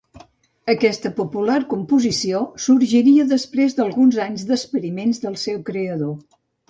Aquesta popular composició sorgiria després d'alguns anys d'experiments del seu creador.